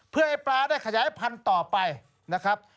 เพื่อให้ปลาได้ขยายพันธุ์ต่อไปนะครับ